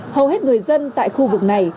hầu hết người dân tại khu vực này